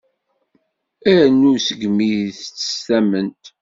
Arnu seg mi itett s tamment.